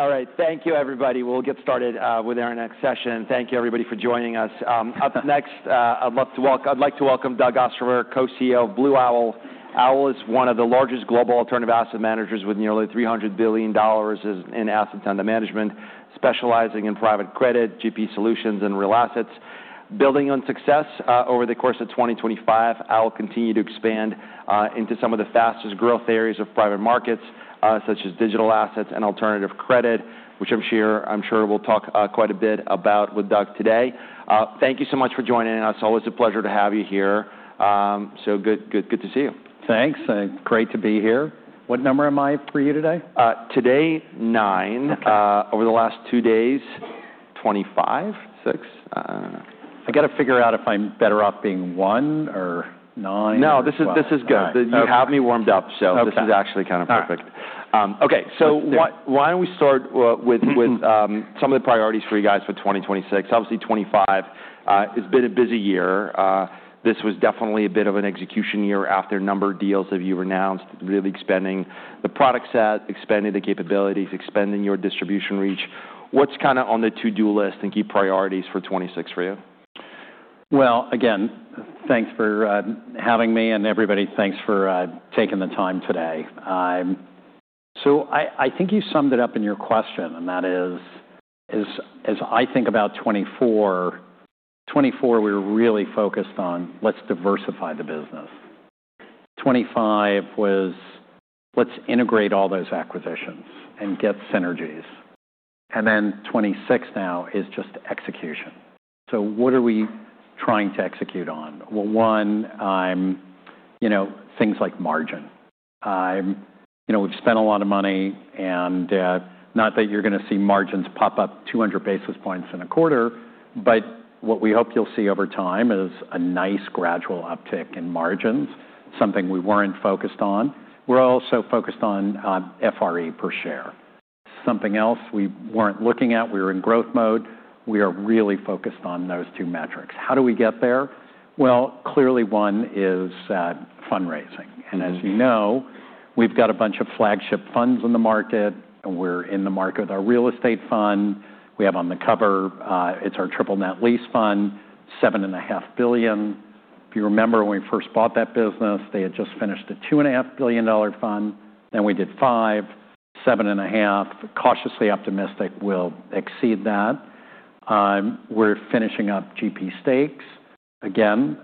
All right. Thank you, everybody. We'll get started with our next session. Thank you, everybody, for joining us. Up next, I'd like to welcome Doug Ostrover, Co-CEO of Blue Owl. Owl is one of the largest global alternative asset managers with nearly $300 billion in assets under management, specializing in private credit, GP solutions, and real assets. Building on success over the course of 2025, Owl will continue to expand into some of the fastest growth areas of private markets, such as digital assets and alternative credit, which I'm sure we'll talk quite a bit about with Doug today. Thank you so much for joining us. Always a pleasure to have you here. So good to see you. Thanks. Great to be here. What number am I for you today? Today, 9. Over the last two days, 25? 6? I got to figure out if I'm better off being one or nine. No, this is good. You have me warmed up, so this is actually kind of perfect. Okay, so why don't we start with some of the priorities for you guys for 2026? Obviously, 2025 has been a busy year. This was definitely a bit of an execution year after a number of deals that you announced, really expanding the product set, expanding the capabilities, expanding your distribution reach. What's kind of on the to-do list and key priorities for 2026 for you? Well, again, thanks for having me, and everybody, thanks for taking the time today. So I think you summed it up in your question, and that is, as I think about 2024, we were really focused on, let's diversify the business. 2025 was, let's integrate all those acquisitions and get synergies. And then 2026 now is just execution. So what are we trying to execute on? Well, one, things like margin. We've spent a lot of money, and not that you're going to see margins pop up 200 basis points in a quarter, but what we hope you'll see over time is a nice gradual uptick in margins, something we weren't focused on. We're also focused on FRE per share. Something else we weren't looking at, we were in growth mode, we are really focused on those two metrics. How do we get there? Well, clearly one is fundraising. And as you know, we've got a bunch of flagship funds in the market. We're in the market with our real estate fund. We have on the cover. It's our triple net lease fund, $7.5 billion. If you remember when we first bought that business, they had just finished a $2.5 billion fund. Then we did five, $7.5 billion. Cautiously optimistic, we'll exceed that. We're finishing up GP stakes. Again,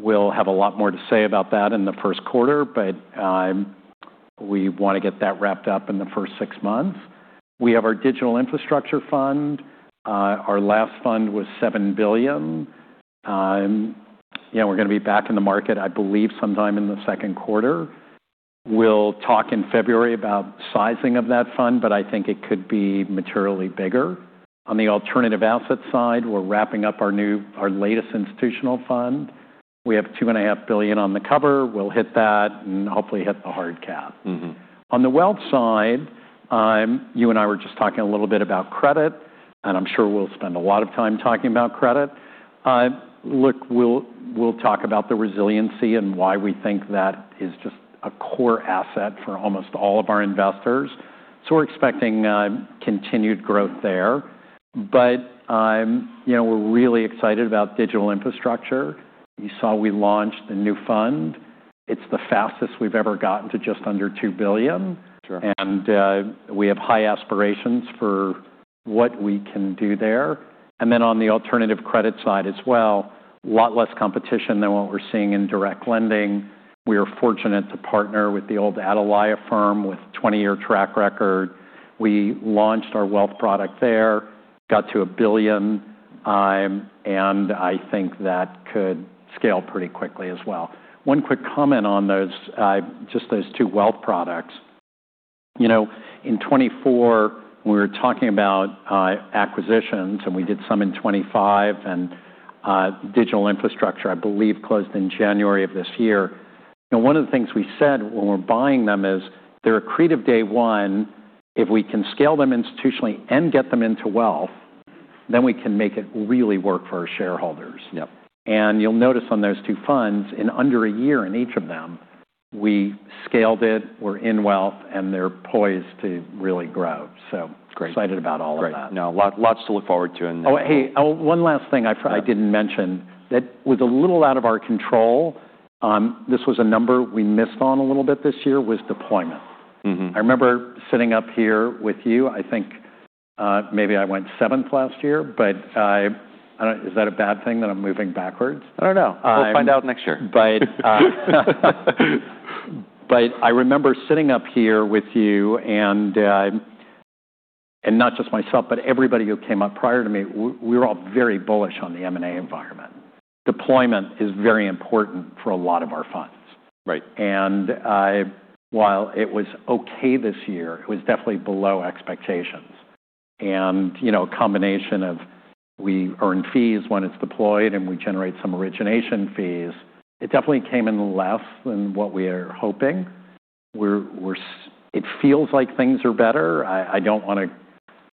we'll have a lot more to say about that in the first quarter, but we want to get that wrapped up in the first six months. We have our digital infrastructure fund. Our last fund was $7 billion. Yeah, we're going to be back in the market, I believe, sometime in the second quarter. We'll talk in February about sizing of that fund, but I think it could be materially bigger. On the alternative asset side, we're wrapping up our latest institutional fund. We have $2.5 billion on the cover. We'll hit that and hopefully hit the hard cap. On the wealth side, you and I were just talking a little bit about credit, and I'm sure we'll spend a lot of time talking about credit. Look, we'll talk about the resiliency and why we think that is just a core asset for almost all of our investors, so we're expecting continued growth there, but we're really excited about digital infrastructure. You saw we launched the new fund. It's the fastest we've ever gotten to just under $2 billion, and we have high aspirations for what we can do there, and then on the alternative credit side as well, a lot less competition than what we're seeing in direct lending. We are fortunate to partner with the old Atalaya firm with a 20-year track record. We launched our wealth product there, got to a billion, and I think that could scale pretty quickly as well. One quick comment on just those two wealth products. In 2024, we were talking about acquisitions, and we did some in 2025, and digital infrastructure, I believe, closed in January of this year. One of the things we said when we're buying them is they're accretive day one. If we can scale them institutionally and get them into wealth, then we can make it really work for our shareholders, and you'll notice on those two funds, in under a year in each of them, we scaled it, we're in wealth, and they're poised to really grow, so excited about all of that. Great. Now, lots to look forward to in the next year. Oh, hey, one last thing I didn't mention that was a little out of our control. This was a number we missed on a little bit this year: deployment. I remember sitting up here with you. I think maybe I went seventh last year, but is that a bad thing that I'm moving backwards? I don't know. We'll find out next year. But I remember sitting up here with you and not just myself, but everybody who came up prior to me, we were all very bullish on the M&A environment. Deployment is very important for a lot of our funds. And while it was okay this year, it was definitely below expectations. And a combination of we earn fees when it's deployed and we generate some origination fees, it definitely came in less than what we are hoping. It feels like things are better. I don't want to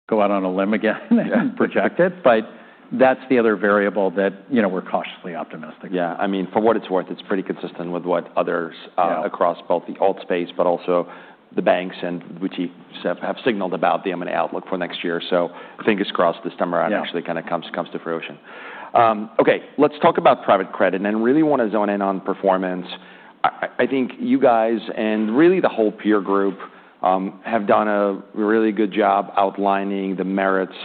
go out on a limb again and project it, but that's the other variable that we're cautiously optimistic about. Yeah. I mean, for what it's worth, it's pretty consistent with what others across both the alt space, but also the banks and boutique have signaled about the M&A outlook for next year. So fingers crossed this time around actually kind of comes to fruition. Okay, let's talk about private credit and really want to zone in on performance. I think you guys and really the whole peer group have done a really good job outlining the merits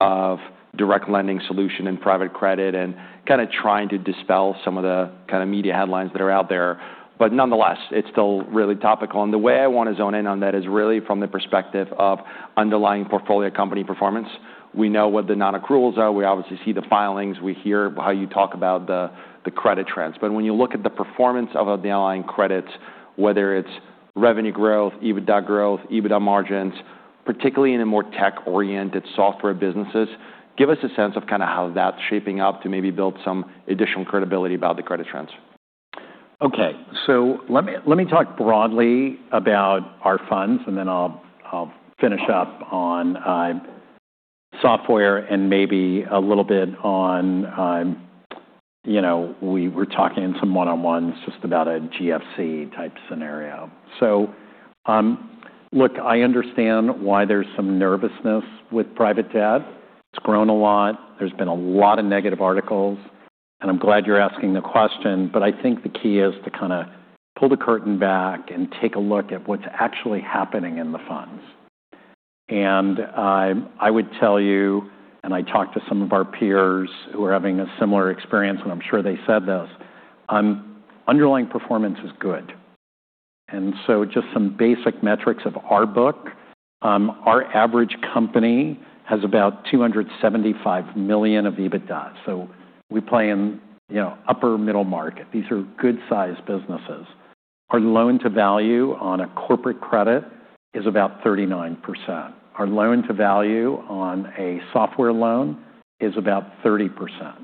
of direct lending solution and private credit and kind of trying to dispel some of the kind of media headlines that are out there. But nonetheless, it's still really topical. And the way I want to zone in on that is really from the perspective of underlying portfolio company performance. We know what the non-accruals are. We obviously see the filings. We hear how you talk about the credit trends. But when you look at the performance of the underlying credits, whether it's revenue growth, EBITDA growth, EBITDA margins, particularly in more tech-oriented software businesses, give us a sense of kind of how that's shaping up to maybe build some additional credibility about the credit trends. Okay, so let me talk broadly about our funds, and then I'll finish up on software and maybe a little bit on, we were talking in some one-on-ones just about a GFC-type scenario, so look, I understand why there's some nervousness with private debt. It's grown a lot. There's been a lot of negative articles, and I'm glad you're asking the question, but I think the key is to kind of pull the curtain back and take a look at what's actually happening in the funds, and I would tell you, and I talked to some of our peers who are having a similar experience, and I'm sure they said this. Underlying performance is good, and so just some basic metrics of our book, our average company has about $275 million of EBITDA, so we play in upper middle market. These are good-sized businesses. Our loan-to-value on a corporate credit is about 39%. Our loan-to-value on a software loan is about 30%.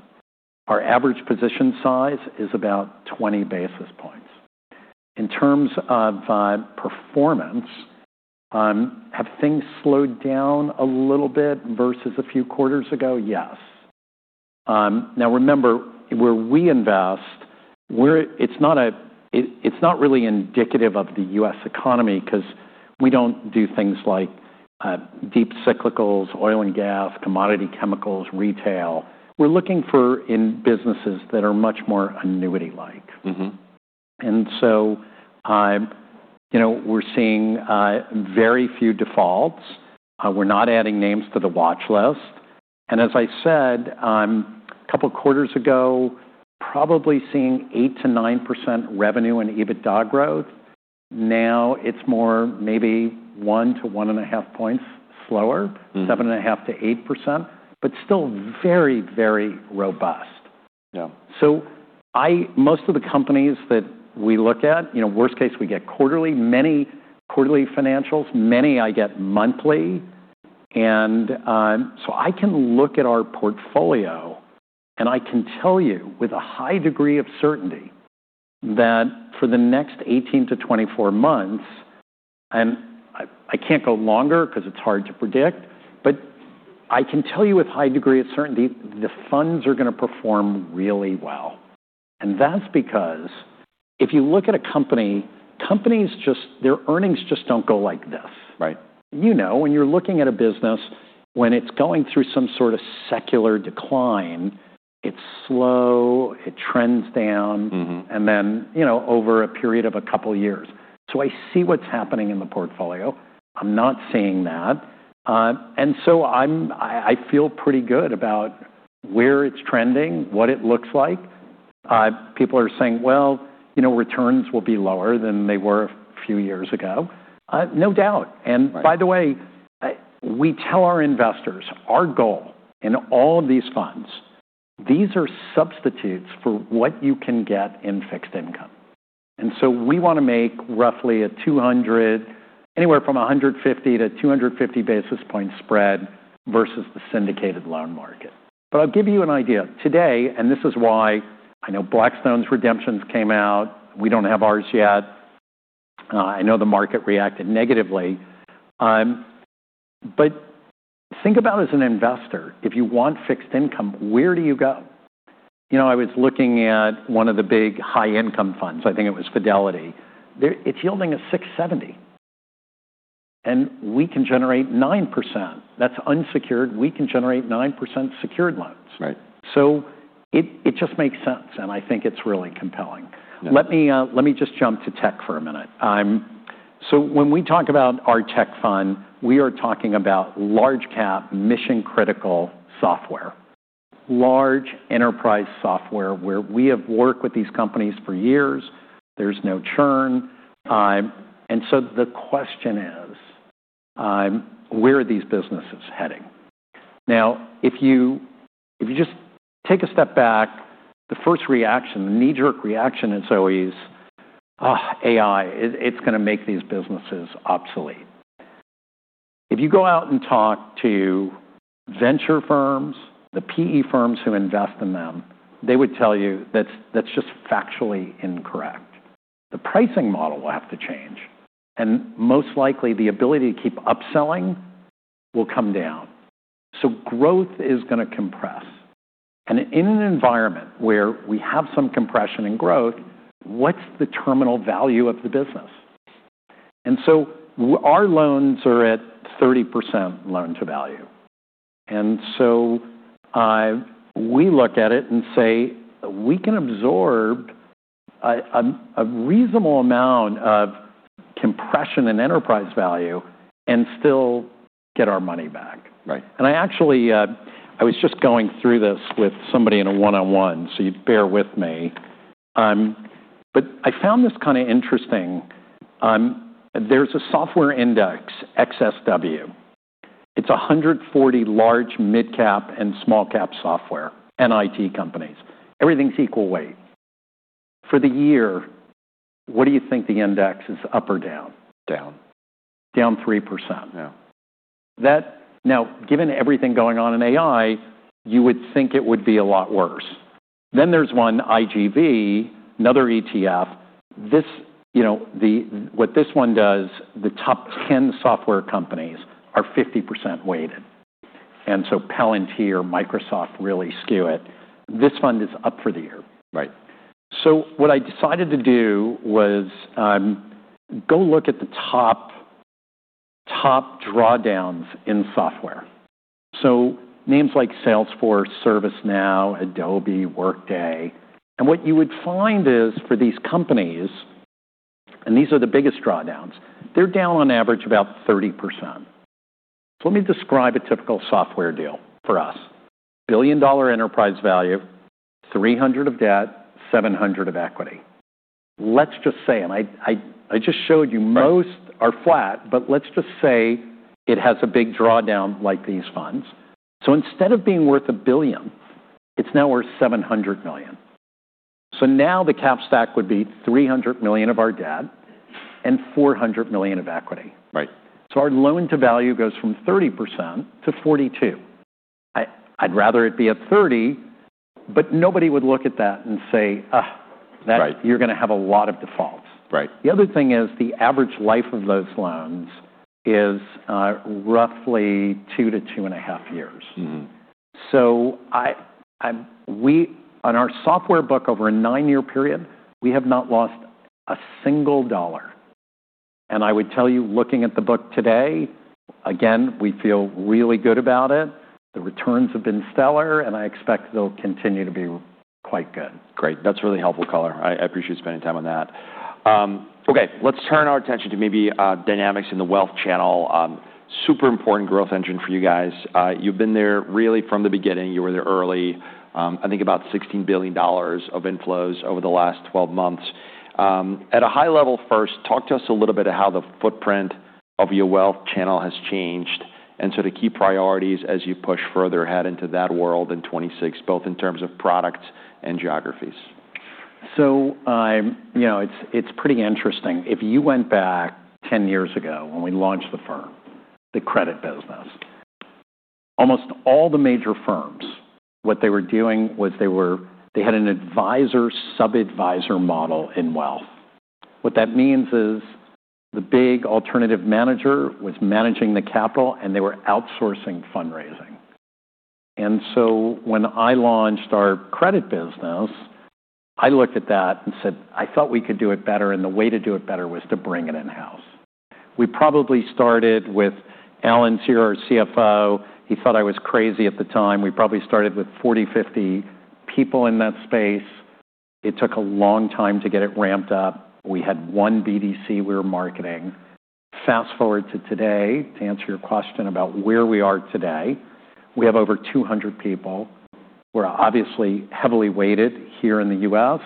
Our average position size is about 20 basis points. In terms of performance, have things slowed down a little bit versus a few quarters ago? Yes. Now, remember, where we invest, it's not really indicative of the U.S. economy because we don't do things like deep cyclicals, oil and gas, commodity chemicals, retail. We're looking for businesses that are much more annuity-like. And so we're seeing very few defaults. We're not adding names to the watch list. And as I said, a couple of quarters ago, probably seeing 8%-9% revenue and EBITDA growth. Now it's more maybe 1% to 1.5 points slower, 7.5%-8%, but still very, very robust. So, most of the companies that we look at, worst case, we get quarterly, many quarterly financials, many I get monthly, and so I can look at our portfolio, and I can tell you with a high degree of certainty that for the next 18-24 months, and I can't go longer because it's hard to predict, but I can tell you with a high degree of certainty, the funds are going to perform really well, and that's because if you look at a company, companies, their earnings just don't go like this. You know, when you're looking at a business, when it's going through some sort of secular decline, it's slow, it trends down, and then over a period of a couple of years, so I see what's happening in the portfolio. I'm not seeing that. And so I feel pretty good about where it's trending, what it looks like. People are saying, "Well, returns will be lower than they were a few years ago." No doubt. And by the way, we tell our investors, our goal in all of these funds, these are substitutes for what you can get in fixed income. And so we want to make roughly anywhere from 150-250 basis points spread versus the syndicated loan market. But I'll give you an idea. Today, and this is why I know Blackstone's redemptions came out. We don't have ours yet. I know the market reacted negatively. But think about, as an investor, if you want fixed income, where do you go? I was looking at one of the big high-income funds. I think it was Fidelity. It's yielding a 670. And we can generate 9%. That's unsecured. We can generate 9% secured loans, so it just makes sense, and I think it's really compelling. Let me just jump to tech for a minute, so when we talk about our tech fund, we are talking about large-cap mission-critical software, large enterprise software where we have worked with these companies for years. There's no churn, and so the question is, where are these businesses heading? Now, if you just take a step back, the first reaction, the knee-jerk reaction is always, "AI, it's going to make these businesses obsolete." If you go out and talk to venture firms, the PE firms who invest in them, they would tell you that's just factually incorrect. The pricing model will have to change, and most likely, the ability to keep upselling will come down, so growth is going to compress. In an environment where we have some compression in growth, what's the terminal value of the business? So our loans are at 30% loan-to-value. So we look at it and say, "We can absorb a reasonable amount of compression in enterprise value and still get our money back." I actually, I was just going through this with somebody in a one-on-one, so you'd bear with me. I found this kind of interesting. There's a software index, XSW. It's 140 large mid-cap and small-cap software and IT companies. Everything's equal weight. For the year, what do you think the index is up or down? Down. Down 3%. Now, given everything going on in AI, you would think it would be a lot worse, then there's one IGV, another ETF. What this one does, the top 10 software companies are 50% weighted, and so Palantir, Microsoft really skew it. This fund is up for the year, so what I decided to do was go look at the top drawdowns in software, so names like Salesforce, ServiceNow, Adobe, Workday. And what you would find is for these companies, and these are the biggest drawdowns, they're down on average about 30%, so let me describe a typical software deal for us. $1 billion enterprise value, $300 million of debt, $700 million of equity. Let's just say, and I just showed you most are flat, but let's just say it has a big drawdown like these funds, so instead of being worth $1 billion, it's now worth $700 million. So now the cap stack would be $300 million of our debt and $400 million of equity. So our loan-to-value goes from 30% to 42%. I'd rather it be at 30%, but nobody would look at that and say, "Ugh, you're going to have a lot of defaults." The other thing is the average life of those loans is roughly two to two and a half years. So on our software book over a nine-year period, we have not lost a single dollar. And I would tell you, looking at the book today, again, we feel really good about it. The returns have been stellar, and I expect they'll continue to be quite good. Great. That's really helpful, Connor. I appreciate spending time on that. So it's pretty interesting. If you went back 10 years ago when we launched the firm, the credit business, almost all the major firms, what they were doing was they had an advisor-sub-advisor model in wealth. What that means is the big alternative manager was managing the capital, and they were outsourcing fundraising. And so when I launched our credit business, I looked at that and said, "I thought we could do it better, and the way to do it better was to bring it in-house." We probably started with Alan Kirshenbaum, CFO. He thought I was crazy at the time. We probably started with 40-50 people in that space. It took a long time to get it ramped up. We had one BDC we were marketing. Fast forward to today, to answer your question about where we are today, we have over 200 people. We're obviously heavily weighted here in the U.S.,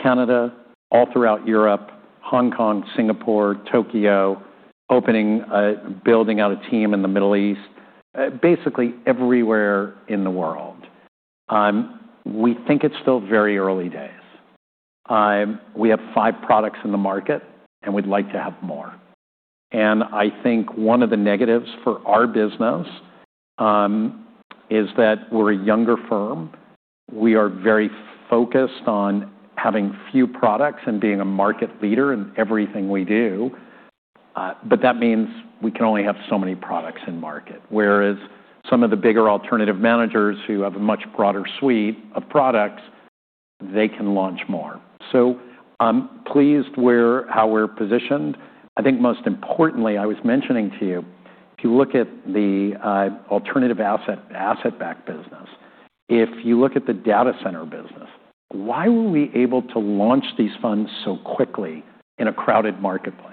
Canada, all throughout Europe, Hong Kong, Singapore, Tokyo, building out a team in the Middle East, basically everywhere in the world. We think it's still very early days. We have five products in the market, and we'd like to have more, and I think one of the negatives for our business is that we're a younger firm. We are very focused on having few products and being a market leader in everything we do, but that means we can only have so many products in market. Whereas some of the bigger alternative managers who have a much broader suite of products, they can launch more, so I'm pleased with how we're positioned. I think most importantly, I was mentioning to you, if you look at the alternative asset-backed business, if you look at the data center business, why were we able to launch these funds so quickly in a crowded marketplace?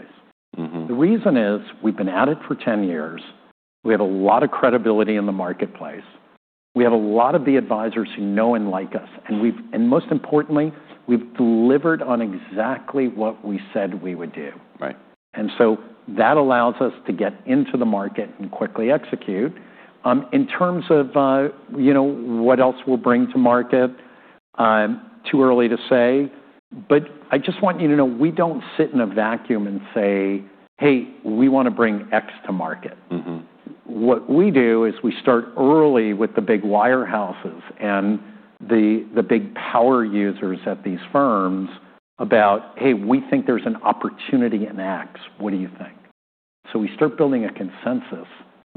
The reason is we've been at it for 10 years. We have a lot of credibility in the marketplace. We have a lot of the advisors who know and like us. And most importantly, we've delivered on exactly what we said we would do. And so that allows us to get into the market and quickly execute. In terms of what else we'll bring to market, too early to say. But I just want you to know we don't sit in a vacuum and say, "Hey, we want to bring X to market." What we do is we start early with the big wirehouses and the big power users at these firms about, "Hey, we think there's an opportunity in X. What do you think?" So we start building a consensus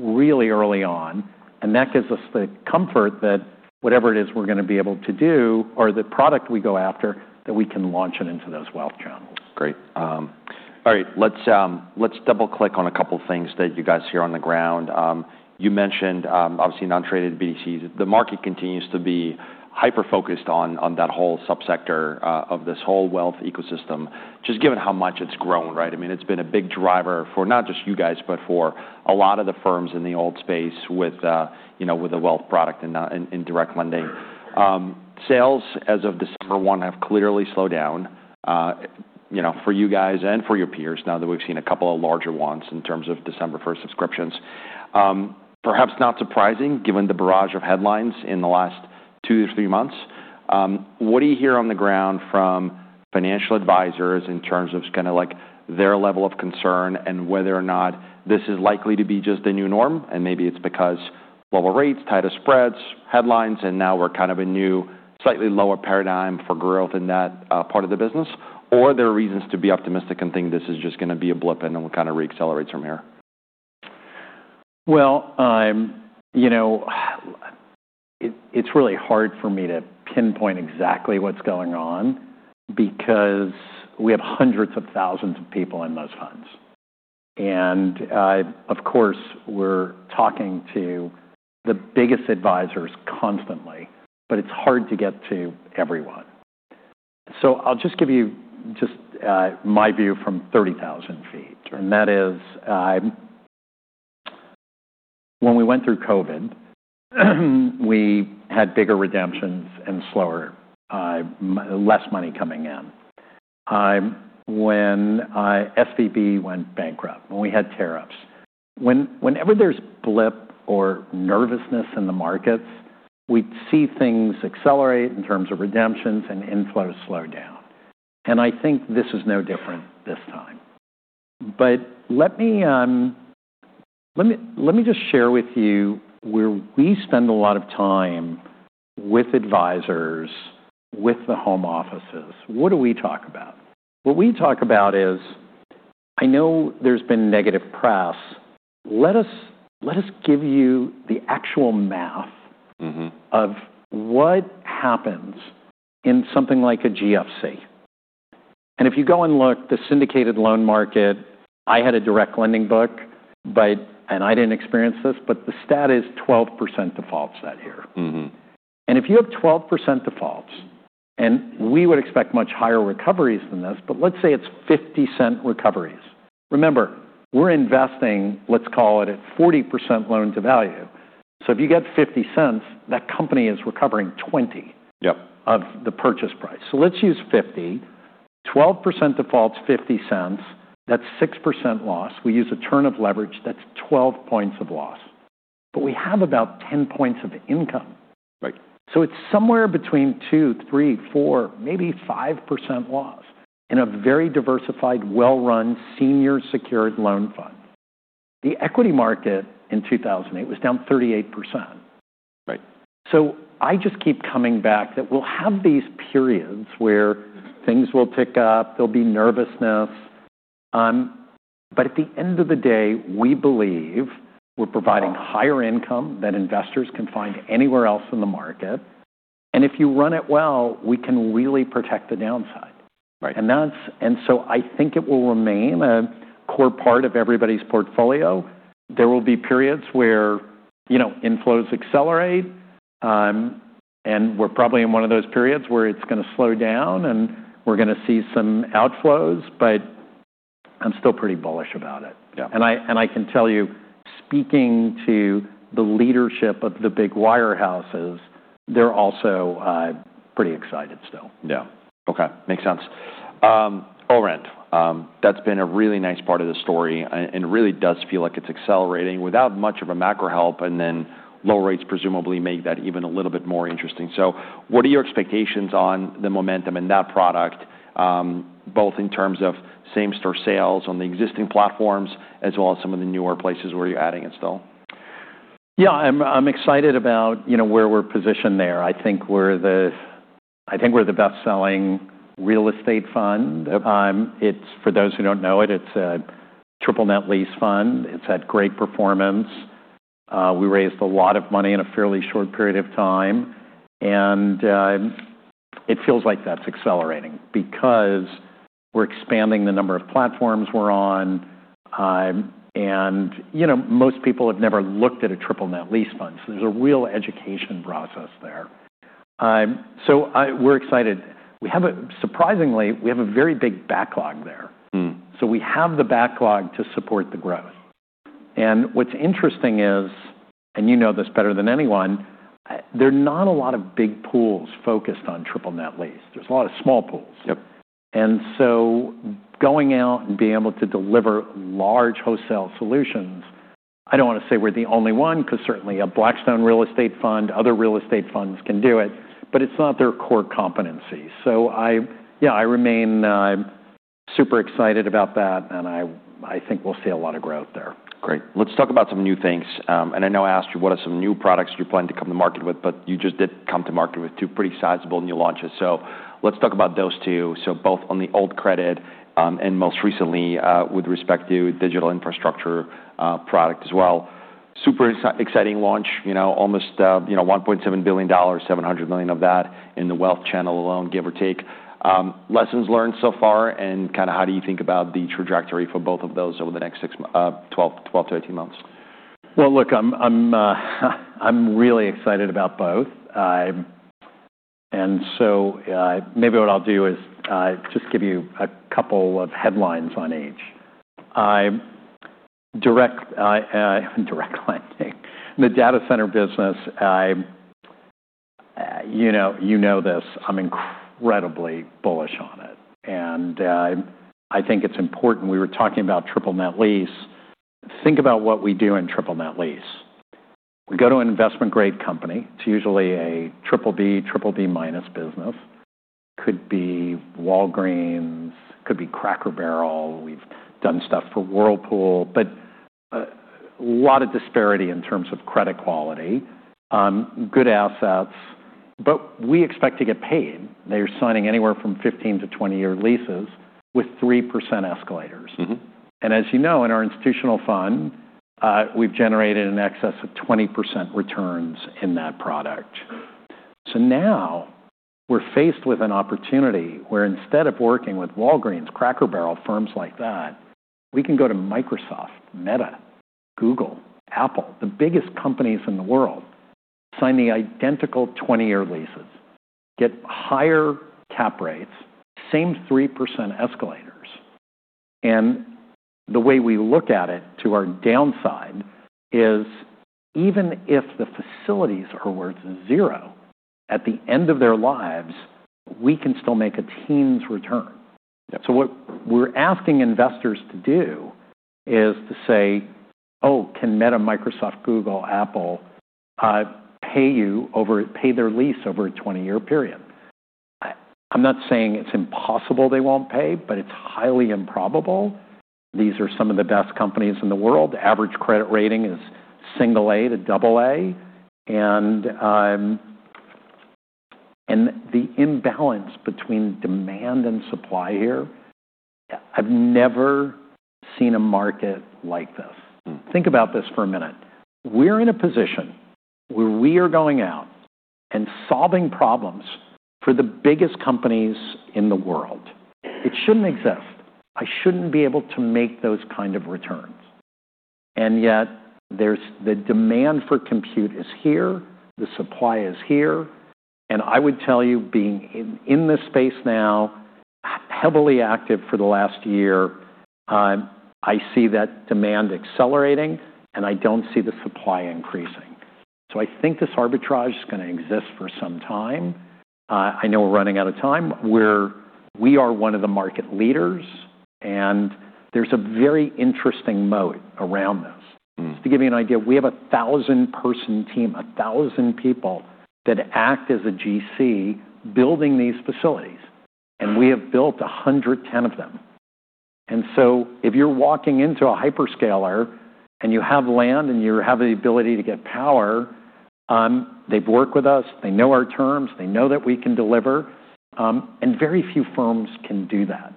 really early on, and that gives us the comfort that whatever it is we're going to be able to do or the product we go after, that we can launch it into those wealth channels. Great. All right. Let's double-click on a couple of things that you guys hear on the ground. You mentioned, obviously, non-traded BDCs. The market continues to be hyper-focused on that whole subsector of this whole wealth ecosystem, just given how much it's grown, right? I mean, it's been a big driver for not just you guys, but for a lot of the firms in the alt space with the wealth product and direct lending. Sales, as of December 1, have clearly slowed down for you guys and for your peers now that we've seen a couple of larger ones in terms of December 1 subscriptions. Perhaps not surprising, given the barrage of headlines in the last two to three months. What do you hear on the ground from financial advisors in terms of kind of their level of concern and whether or not this is likely to be just a new norm, and maybe it's because lower rates, tighter spreads, headlines, and now we're kind of a new, slightly lower paradigm for growth in that part of the business, or there are reasons to be optimistic and think this is just going to be a blip and it will kind of reaccelerate from here? Well, it's really hard for me to pinpoint exactly what's going on because we have hundreds of thousands of people in those funds. And of course, we're talking to the biggest advisors constantly, but it's hard to get to everyone. So I'll just give you just my view from 30,000 feet. And that is when we went through COVID, we had bigger redemptions and less money coming in. When SVB went bankrupt, when we had tariffs, whenever there's blip or nervousness in the markets, we see things accelerate in terms of redemptions and inflows slow down. And I think this is no different this time. But let me just share with you where we spend a lot of time with advisors, with the home offices. What do we talk about? What we talk about is, "I know there's been negative press. Let us give you the actual math of what happens in something like a GFC, and if you go and look, the syndicated loan market, I had a direct lending book, and I didn't experience this, but the stat is 12% defaults that year, and if you have 12% defaults, and we would expect much higher recoveries than this, but let's say it's $0.50 recoveries. Remember, we're investing, let's call it at 40% loan-to-value. So if you get $0.50, that company is recovering 20% of the purchase price. So let's use 50. 12% defaults, $0.50, that's 6% loss. We use a turn of leverage. That's 12 points of loss. But we have about 10 points of income. So it's somewhere between 2, 3, 4, maybe 5% loss in a very diversified, well-run, senior-secured loan fund. The equity market in 2008 was down 38%. So I just keep coming back that we'll have these periods where things will tick up. There'll be nervousness. But at the end of the day, we believe we're providing higher income than investors can find anywhere else in the market. And if you run it well, we can really protect the downside. And so I think it will remain a core part of everybody's portfolio. There will be periods where inflows accelerate, and we're probably in one of those periods where it's going to slow down, and we're going to see some outflows, but I'm still pretty bullish about it. And I can tell you, speaking to the leadership of the big wirehouses, they're also pretty excited still. Yeah. Okay. Makes sense. All right. That's been a really nice part of the story, and it really does feel like it's accelerating without much of a macro help, and then low rates presumably make that even a little bit more interesting. So what are your expectations on the momentum in that product, both in terms of same-store sales on the existing platforms as well as some of the newer places where you're adding it still? Yeah. I'm excited about where we're positioned there. I think we're the best-selling real estate fund. For those who don't know it, it's a triple-net lease fund. It's had great performance. We raised a lot of money in a fairly short period of time, and it feels like that's accelerating because we're expanding the number of platforms we're on, and most people have never looked at a triple-net lease fund, so there's a real education process there, so we're excited. Surprisingly, we have a very big backlog there, so we have the backlog to support the growth, and what's interesting is, and you know this better than anyone, there are not a lot of big pools focused on triple-net lease. There's a lot of small pools. And so going out and being able to deliver large wholesale solutions, I don't want to say we're the only one because certainly a Blackstone real estate fund, other real estate funds can do it, but it's not their core competency. So yeah, I remain super excited about that, and I think we'll see a lot of growth there. Great. Let's talk about some new things. And I know I asked you what are some new products you're planning to come to market with, but you just did come to market with two pretty sizable new launches. So both on the alt credit and most recently with respect to digital infrastructure product as well. Super exciting launch, almost $1.7 billion, $700 million of that in the wealth channel alone, give or take. Lessons learned so far and kind of how do you think about the trajectory for both of those over the next 12 to 18 months? Well, look, I'm really excited about both. And so maybe what I'll do is just give you a couple of headlines on each. Direct lending, the data center business, you know this, I'm incredibly bullish on it. And I think it's important. We were talking about triple-net lease. Think about what we do in triple-net lease. We go to an investment-grade company. It's usually a BBB, BBB minus business. Could be Walgreens, could be Cracker Barrel. We've done stuff for Whirlpool, but a lot of disparity in terms of credit quality, good assets, but we expect to get paid. They're signing anywhere from 15-20-year leases with 3% escalators. And as you know, in our institutional fund, we've generated in excess of 20% returns in that product. So now we're faced with an opportunity where instead of working with Walgreens, Cracker Barrel, firms like that, we can go to Microsoft, Meta, Google, Apple, the biggest companies in the world, sign the identical 20-year leases, get higher cap rates, same 3% escalators. And the way we look at it to our downside is even if the facilities are worth zero at the end of their lives, we can still make a teens return. So what we're asking investors to do is to say, "Oh, can Meta, Microsoft, Google, Apple pay their lease over a 20-year period?" I'm not saying it's impossible they won't pay, but it's highly improbable. These are some of the best companies in the world. Average credit rating is single A to double A. And the imbalance between demand and supply here, I've never seen a market like this. Think about this for a minute. We're in a position where we are going out and solving problems for the biggest companies in the world. It shouldn't exist. I shouldn't be able to make those kinds of returns. And yet the demand for compute is here. The supply is here. And I would tell you, being in this space now, heavily active for the last year, I see that demand accelerating, and I don't see the supply increasing. So I think this arbitrage is going to exist for some time. I know we're running out of time. We are one of the market leaders, and there's a very interesting moat around this. To give you an idea, we have a thousand-person team, a thousand people that act as a GC building these facilities, and we have built 110 of them. And so if you're walking into a hyperscaler and you have land and you have the ability to get power, they've worked with us. They know our terms. They know that we can deliver. And very few firms can do that.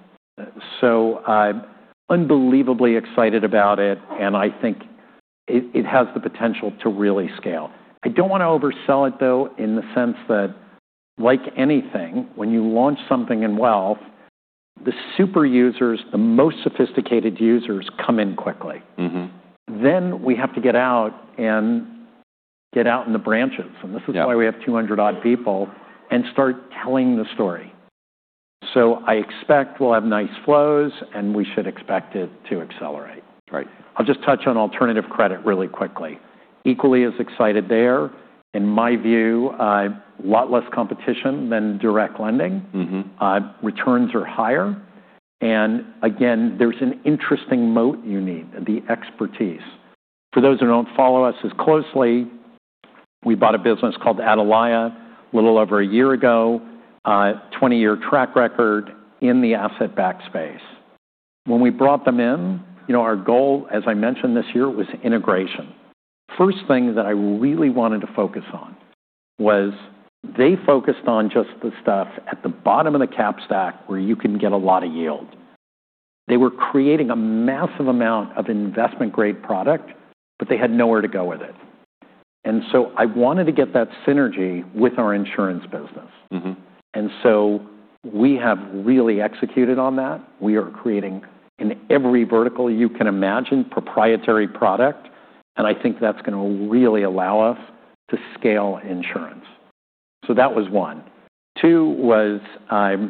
So I'm unbelievably excited about it, and I think it has the potential to really scale. I don't want to oversell it, though, in the sense that, like anything, when you launch something in wealth, the super users, the most sophisticated users come in quickly. Then we have to get out and get out in the branches. And this is why we have 200-odd people and start telling the story. So I expect we'll have nice flows, and we should expect it to accelerate. I'll just touch on alternative credit really quickly. Equally as excited there, in my view, a lot less competition than direct lending. Returns are higher. And again, there's an interesting moat you need, the expertise. For those who don't follow us as closely, we bought a business called Atalaya a little over a year ago, 20-year track record in the asset-backed space. When we brought them in, our goal, as I mentioned this year, was integration. First thing that I really wanted to focus on was they focused on just the stuff at the bottom of the cap stack where you can get a lot of yield. They were creating a massive amount of investment-grade product, but they had nowhere to go with it. And so I wanted to get that synergy with our insurance business. And so we have really executed on that. We are creating in every vertical you can imagine proprietary product, and I think that's going to really allow us to scale insurance. So that was one. Two was, I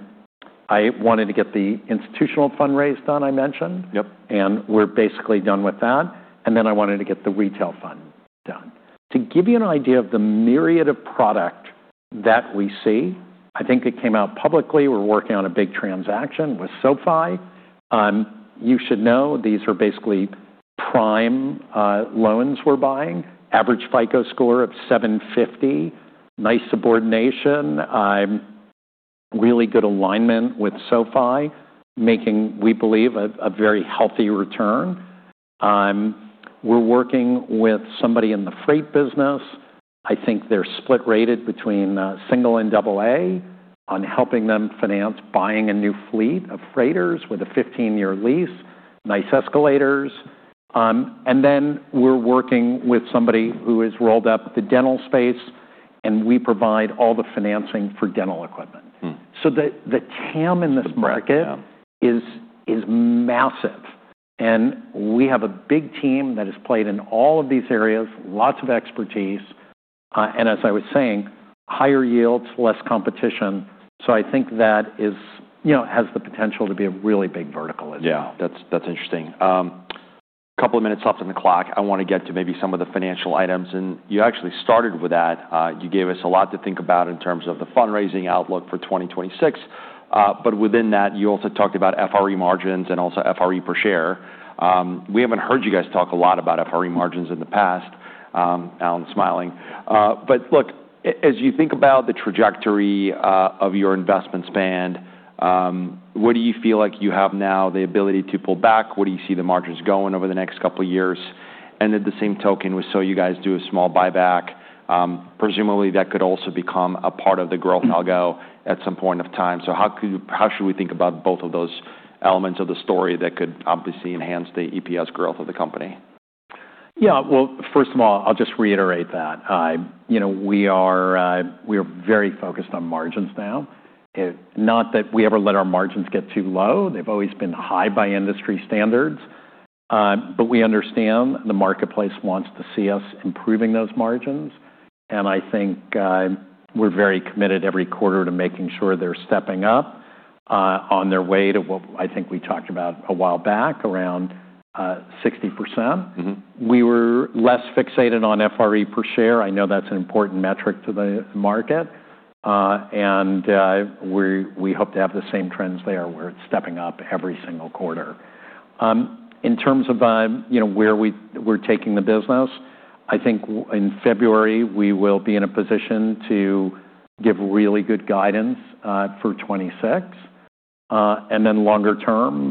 wanted to get the institutional fundraise done I mentioned, and we're basically done with that, and then I wanted to get the retail fund done. To give you an idea of the myriad of product that we see, I think it came out publicly. We're working on a big transaction with SoFi. You should know these are basically prime loans we're buying, average FICO score of 750, nice subordination, really good alignment with SoFi, making, we believe, a very healthy return. We're working with somebody in the freight business. I think they're split rated between single and double A on helping them finance buying a new fleet of freighters with a 15-year lease, nice escalators, and then we're working with somebody who has rolled up the dental space, and we provide all the financing for dental equipment, so the TAM in this market is massive. And we have a big team that has played in all of these areas, lots of expertise. And as I was saying, higher yields, less competition. So I think that has the potential to be a really big vertical as well. Yeah. That's interesting. A couple of minutes left on the clock. I want to get to maybe some of the financial items. And you actually started with that. You gave us a lot to think about in terms of the fundraising outlook for 2026. But within that, you also talked about FRE margins and also FRE per share. We haven't heard you guys talk a lot about FRE margins in the past. Alan's smiling. But look, as you think about the trajectory of your investment spend, what do you feel like you have now, the ability to pull back? Where do you see the margins going over the next couple of years? And at the same token, we saw you guys do a small buyback. Presumably, that could also become a part of the growth algo at some point of time. So how should we think about both of those elements of the story that could obviously enhance the EPS growth of the company? Yeah. Well, first of all, I'll just reiterate that. We are very focused on margins now. Not that we ever let our margins get too low. They've always been high by industry standards. But we understand the marketplace wants to see us improving those margins. And I think we're very committed every quarter to making sure they're stepping up on their way to what I think we talked about a while back around 60%. We were less fixated on FRE per share. I know that's an important metric to the market. And we hope to have the same trends there where it's stepping up every single quarter. In terms of where we're taking the business, I think in February, we will be in a position to give really good guidance for 2026. And then longer term,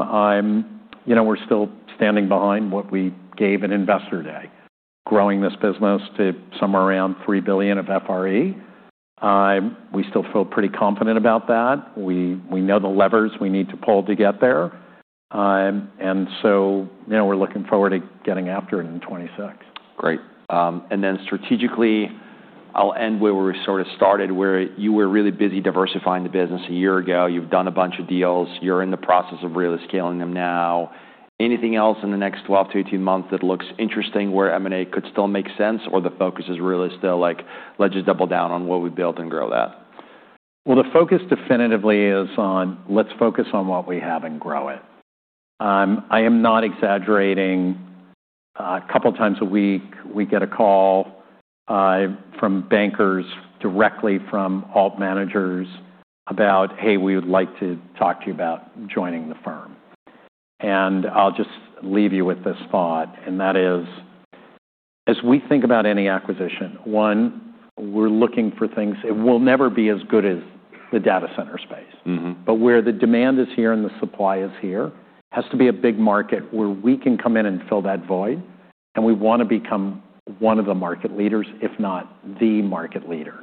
we're still standing behind what we gave at Investor Day, growing this business to somewhere around $3 billion of FRE. We still feel pretty confident about that. We know the levers we need to pull to get there. And so we're looking forward to getting after it in 2026. Great. And then strategically, I'll end where we sort of started, where you were really busy diversifying the business a year ago. You've done a bunch of deals. You're in the process of really scaling them now. Anything else in the next 12-18 months that looks interesting where M&A could still make sense or the focus is really still like, "Let's just double down on what we built and grow that"? Well, the focus definitely is on, "Let's focus on what we have and grow it." I am not exaggerating. A couple of times a week, we get a call from bankers, directly from alt managers about, "Hey, we would like to talk to you about joining the firm," and I'll just leave you with this thought, and that is, as we think about any acquisition, one, we're looking for things that will never be as good as the data center space, but where the demand is here and the supply is here, has to be a big market where we can come in and fill that void, and we want to become one of the market leaders, if not the market leader.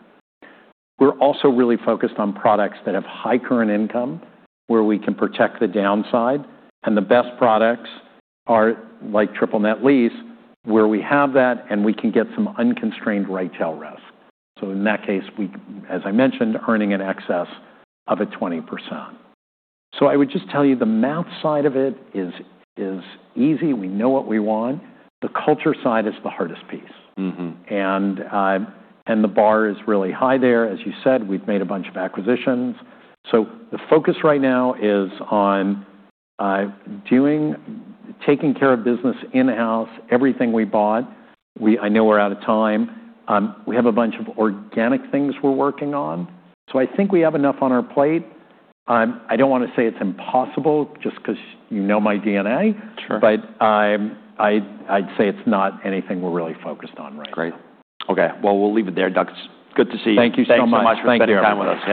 We're also really focused on products that have high current income where we can protect the downside. and the best products are like triple-net lease where we have that and we can get some unconstrained retail risk, so in that case, as I mentioned, earning an excess of a 20%, so I would just tell you the math side of it is easy. We know what we want. The culture side is the hardest piece, and the bar is really high there. As you said, we've made a bunch of acquisitions, so the focus right now is on taking care of business in-house, everything we bought. I know we're out of time. We have a bunch of organic things we're working on, so I think we have enough on our plate. I don't want to say it's impossible just because you know my DNA, but I'd say it's not anything we're really focused on right now. Great. Okay, well, we'll leave it there, Doug. It's good to see you. Thank you so much. Thank you. Thanks for taking the time with us.